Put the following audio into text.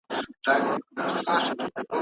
شخصیت د اطرافي خلګو پر اساس هم جوړېږي.